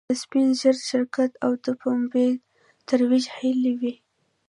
د سپین زر شرکت او د پومبې ترویج هلې وې.